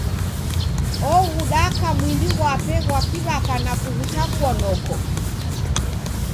Oghudaka mwindi ghwape ghwa ki'waka na kughutakua noko.